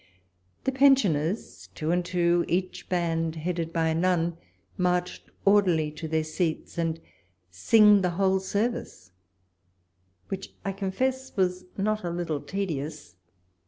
The pensioners, two and two, each band headed by a man, march orderly to their seats, and sing the whole service, which I confess was not a little tedious.